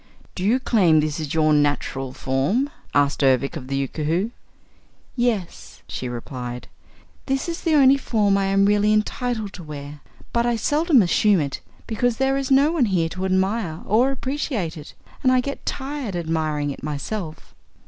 "Do you claim this is your natural form?" asked Ervic of the Yookoohoo. "Yes," she replied. "This is the only form I am really entitled to wear. But I seldom assume it because there is no one here to admire or appreciate it and I get tired admiring it myself."